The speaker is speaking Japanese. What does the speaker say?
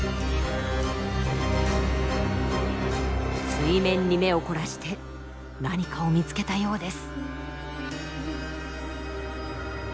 水面に目を凝らして何かを見つけたようです。